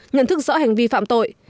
nhận thức rõ hành vi phạm tội